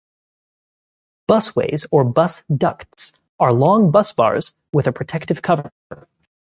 Busways, or bus ducts, are long busbars with a protective cover.